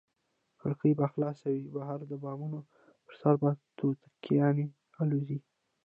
کړکۍ به خلاصې وي، بهر د بامونو پر سر به توتکیانې الوزي.